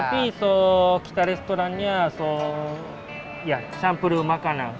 tapi kita restorannya campur ke makanan